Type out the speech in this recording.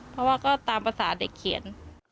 เพราะว่าก็ตามภาษาเด็กเขียน